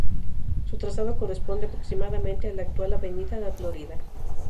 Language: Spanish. Su trazado corresponde aproximadamente a la actual Avenida La Florida.